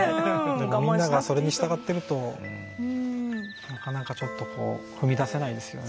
みんながそれに従ってるとなかなか、踏み出せないですよね。